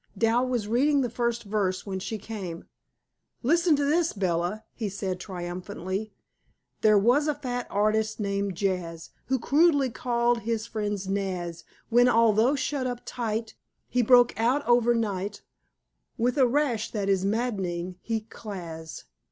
Dal was reading the first verse when she came. "Listen to this, Bella," he said triumphantly: "There was a fat artist named Jas, Who cruelly called his friends nas. When, altho' shut up tight, He broke out over night With a rash that is maddening, he clas."